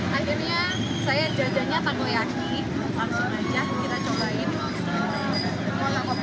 banyak sekali pilihan jajanan makanan dan juga minuman